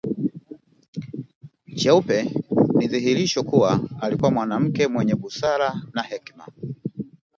Cheupe ni dhihirisho kuwa alikuwa mwanamke mwenye busara na hekima